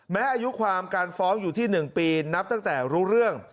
อายุความการฟ้องอยู่ที่๑ปีนับตั้งแต่รู้เรื่อง